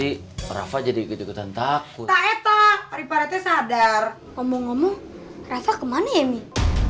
iya aku juga penasaran nih